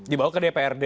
dibawa ke dprd